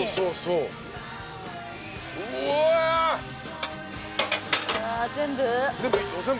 うわ全部？